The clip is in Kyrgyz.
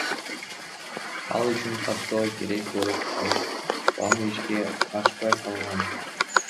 Ал үчүн каттоо керек болуп калып, планы ишке ашпай калган.